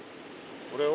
これを？